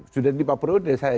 sudah di pak periwudaya saya